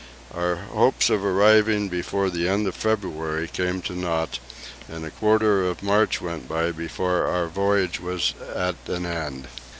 Our hopes of arriving before the end of February came to naught, and a quarter of March went by before our voyage was at an end.